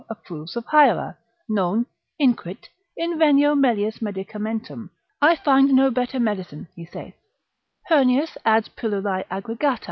approves of hiera; non, inquit, invenio melius medicamentum, I find no better medicine, he saith. Heurnius adds pil. aggregat.